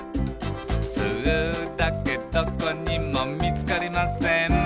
「スーだけどこにもみつかりません」